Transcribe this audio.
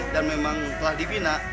dan memang telah dibina